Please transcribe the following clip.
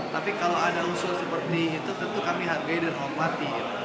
tapi kalau ada usul seperti itu tentu kami hargai dan hormati